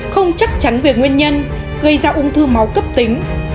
không chắc chắn về nguyên nhân gây ra ung thư máu cấp tính